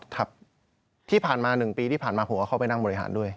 ครับที่ผ่านมา๑ปีที่ผ่านมาผัวเข้าไปนั่งบริหารด้วย